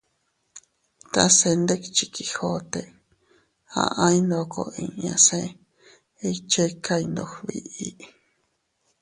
Tase ndikchi Quijote, aʼay ndoko inña se iychikay ndog biʼi.